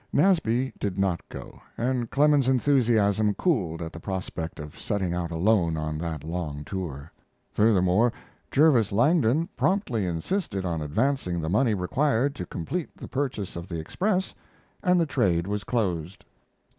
] Nasby did not go, and Clemens's enthusiasm cooled at the prospect of setting out alone on that long tour. Furthermore, Jervis Langdon promptly insisted on advancing the money required to complete the purchase of the Express, and the trade was closed.